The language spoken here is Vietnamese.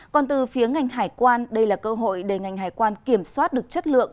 còn từ phía ngành hải quan đây là cơ hội để ngành hải quan kiểm soát được chất lượng